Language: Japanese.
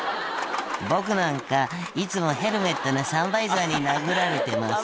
「僕なんかいつもヘルメットのサンバイザーに殴られてます」